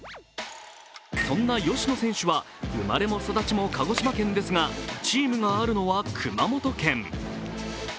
そんな吉野選手は生まれも育ちも鹿児島県ですがチームがあるのは熊本県。